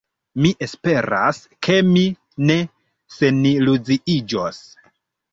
Mi esperas, ke mi ne seniluziiĝos.